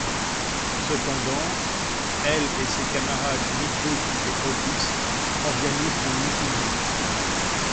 Cependant, elle et ses camarades Meathook et Otis organisent une mutinerie.